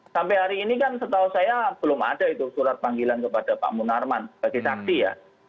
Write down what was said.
sampai hari ini kan setahu saya belum ada itu surat panggilan kepada pak munarman sebagai saksi ya